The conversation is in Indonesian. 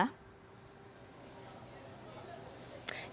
ya sama sore putri